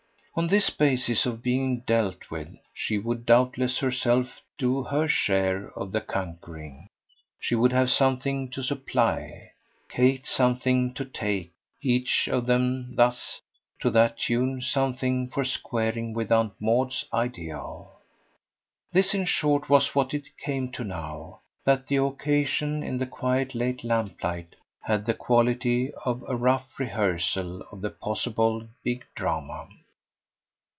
On this basis of being dealt with she would doubtless herself do her share of the conquering: she would have something to supply, Kate something to take each of them thus, to that tune, something for squaring with Aunt Maud's ideal. This in short was what it came to now that the occasion, in the quiet late lamplight, had the quality of a rough rehearsal of the possible big drama.